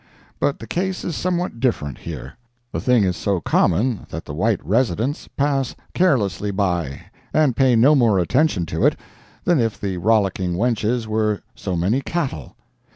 But the case is somewhat different here. The thing is so common that the white residents pass carelessly by, and pay no more attention to it than if the rollicking wenches were so many cattle.